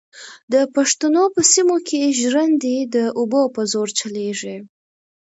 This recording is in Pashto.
د پښتنو په سیمو کې ژرندې د اوبو په زور چلېږي.